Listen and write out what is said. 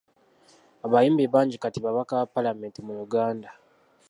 Abayimbi bangi kati babaka ba Paalamenti mu Uganda.